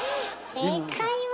正解は。